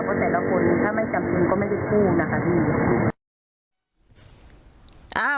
เพราะแต่ละคนถ้าไม่จำเป็นก็ไม่ได้คู่นะคะที่นี่